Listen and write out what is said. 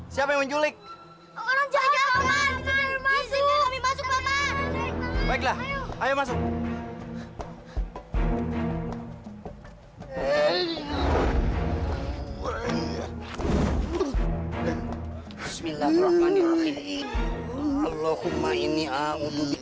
tapi ingat tolong jangan sampai kejadian ini terjadi lagi